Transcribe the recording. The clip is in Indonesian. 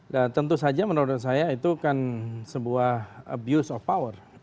dan tentu saja menurut saya itu kan sebuah abuse of power